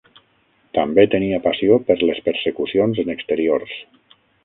També tenia passió per les persecucions en exteriors.